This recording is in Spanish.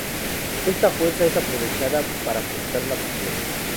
Esta fuerza es aprovechada para forzar la fusión.